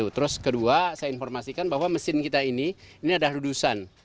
terus kedua saya informasikan bahwa mesin kita ini ini adalah lulusan